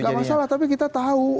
tidak masalah tapi kita tahu